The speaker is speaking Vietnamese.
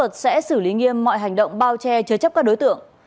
tiêm mọi hành động bao che chờ chấp các đối tượng